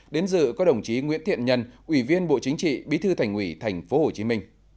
đến dự có đồng chí nguyễn thiện nhân ủy viên bộ chính trị bí thư thành ủy tp hcm